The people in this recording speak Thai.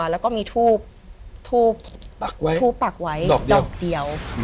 แล้วก็มีทูบทูปปักไว้ดอกเดียว